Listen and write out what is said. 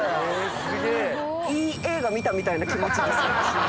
いい映画見たみたいな気持ちですよ